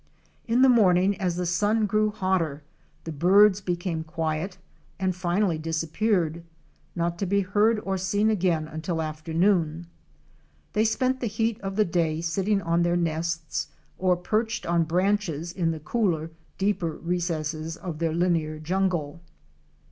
In the morning as the sun grew hotter the birds became quiet and finally disappeared, not to be heard or seen again until afternoon. They spend the heat of the day sitting on their nests or perched on branches in the cooler, deeper recesses of their linear jungle.